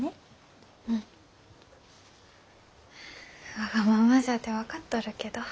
わがままじゃて分かっとるけど。